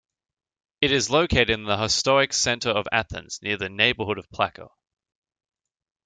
It is located in the historic center of Athens, near the neighborhood of Plaka.